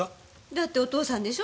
だってお父さんでしょ？